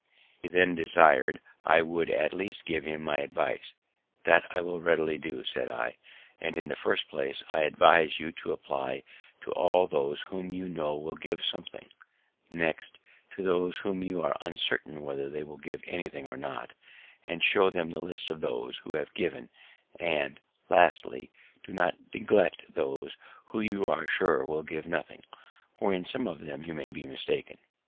He then desir'd I would at least give him my advice. "That I will readily do," said I; "and, in the first place, I advise you to apply to all those whom you know will give something; next, to those whom you are uncertain whether they will give anything or not, and show them the list of those who have given; and, lastly, do not neglect those who you are sure will give nothing, for in some of them you may be mistaken."